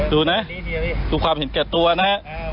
ดูนะดูความเห็นแก่ตัวนะฮะ